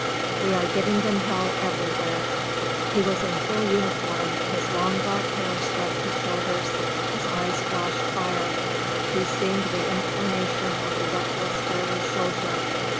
"We are giving them hell everywhere." He was in full uniform, his long black hair swept his shoulders, his eyes flashed fire, he seemed the incarnation of the reckless, fearless soldier.